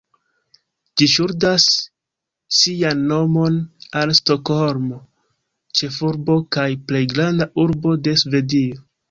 Ĝi ŝuldas sian nomon al Stokholmo, ĉefurbo kaj plej granda urbo de Svedio.